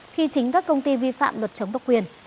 khi chính các công ty vi phạm luật chống độc quyền